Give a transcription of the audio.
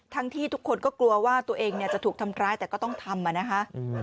ที่ทุกคนก็กลัวว่าตัวเองจะถูกทำร้ายแต่ก็ต้องทำนะคะ